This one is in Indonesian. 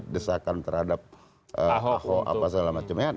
desakan terhadap pak ahok